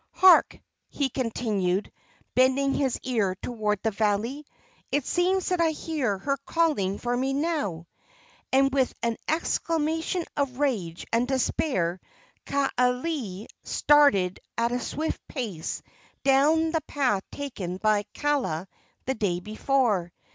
"Hark!" he continued, bending his ear toward the valley. "It seems that I hear her calling for me now!" And with an exclamation of rage and despair Kaaialii started at a swift pace down the path taken by Kaala the day before.